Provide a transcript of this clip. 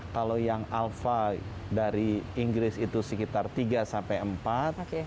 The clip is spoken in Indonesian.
kalau yang alpha dari inggris itu sekitar tiga sampai empat